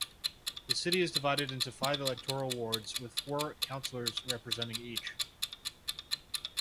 The city is divided into five electoral wards, with four councillors representing each.